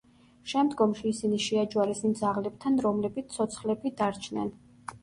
შემდგომში ისინი შეაჯვარეს იმ ძაღლებთან, რომლებიც ცოცხლები დარჩნენ.